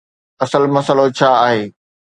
اصل مسئلو ڇا آهي؟